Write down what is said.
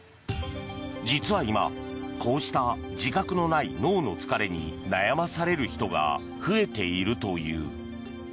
実は今、こうした自覚のない脳の疲れに悩まされる人が増えているという。